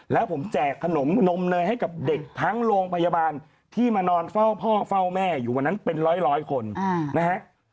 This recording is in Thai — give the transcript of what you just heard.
แล้วผมแจกขนมนมเนยให้กับเด็กทั้งโรงพยาบาลที่มานอนเฝ้าพ่อเฝ้าแม่อยู่วันนั้นเป็นร้อยคนนะฮะ